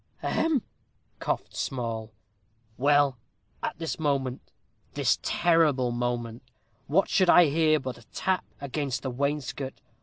"Ahem!" coughed Small. "Well, at this moment this terrible moment what should I hear but a tap against the wainscot.